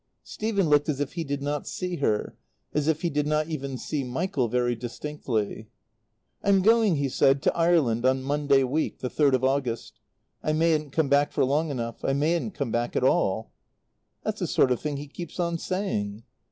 Stephen looked as if he did not see her; as if he did not even see Michael very distinctly. "I'm going," he said, "to Ireland on Monday week, the third of August. I mayn't come back for long enough. I may not come back at all." "That's the sort of thing he keeps on saying."